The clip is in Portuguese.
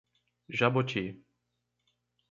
Jaboti